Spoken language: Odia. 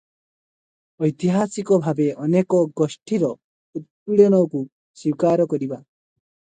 ଐତିହାସିକ ଭାବେ ଅନେକ ଗୋଷ୍ଠୀର ଉତ୍ପୀଡ଼ନକୁ ସ୍ୱୀକାର କରିବା ।